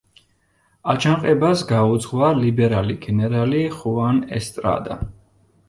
აჯანყებას გაუძღვა ლიბერალი გენერალი ხუან ესტრადა.